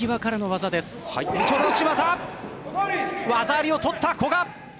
技ありを取った古賀！